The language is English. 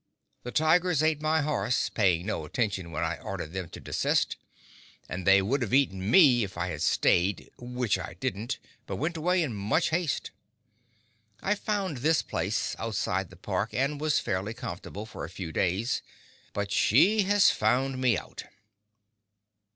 The tigers ate my horse, paying no attention when I ordered them to desist, and they would even have eaten me if I had stayed—which I didn't, but went away in much haste…. I found this place, outside the Park, and was fairly comfortable for a few days, but she has found me out.